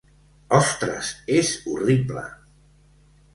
Ostres, és horrible!